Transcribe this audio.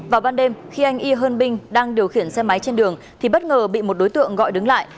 vào ban đêm khi anh y hơn binh đang điều khiển xe máy trên đường thì bất ngờ bị một đối tượng gọi đứng lại